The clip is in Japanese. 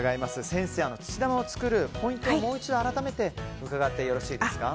先生、土玉を作るポイントをもう一度、改めて伺ってよろしいですか。